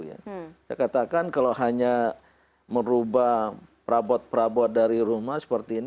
saya katakan kalau hanya merubah perabot perabot dari rumah seperti ini